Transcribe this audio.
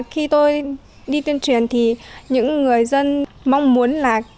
khi tôi đi tuyên truyền thì những người dân mong muốn là